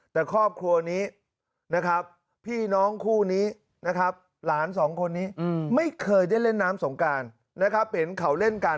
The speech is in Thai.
แต่ครอบครัวนี้นะครับพี่น้องคู่นี้นะครับหลานสองคนนี้ไม่เคยได้เล่นน้ำสงการนะครับเห็นเขาเล่นกัน